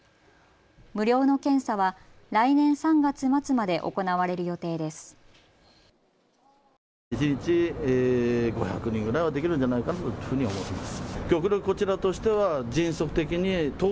無料の検査は来年３月末まで行われる予定です。